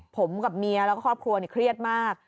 ผมกับเมียแล้วก็ครอบครัวเครียดมาก